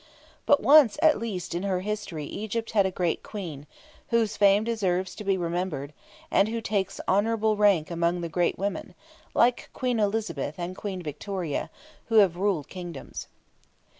But once at least in her history Egypt had a great Queen, whose fame deserves to be remembered, and who takes honourable rank among the great women, like Queen Elizabeth and Queen Victoria, who have ruled kingdoms.